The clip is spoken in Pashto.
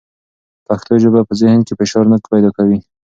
پښتو ژبه په ذهن کې فشار نه پیدا کوي.